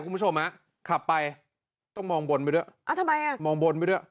คุณผู้ชมฮะขับไปต้องมองบนไปด้วยอ่าทำไมอ่ะมองบนไปด้วย